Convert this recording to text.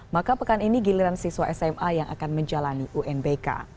maka pekan ini giliran siswa sma yang akan menjalani unbk